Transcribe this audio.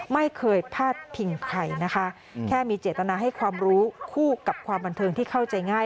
ไม่เคยพาดพิงใครนะคะแค่มีเจตนาให้ความรู้คู่กับความบันเทิงที่เข้าใจง่าย